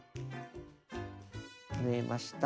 縫えました。